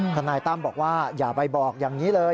ทนายตั้มบอกว่าอย่าไปบอกอย่างนี้เลย